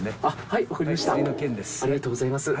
ありがとうございます。